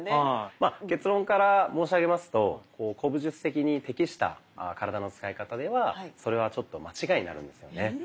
まあ結論から申し上げますと古武術的に適した体の使い方ではそれはちょっと間違いになるんですよね。